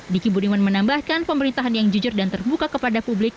diki budiman menambahkan pemerintahan yang jujur dan terbuka kepada publik